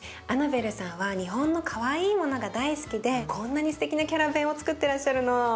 アナベルさんは日本のかわいいものが大好きでこんなにすてきなキャラベンをつくってらっしゃるの。